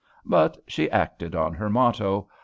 But she acted on her motto.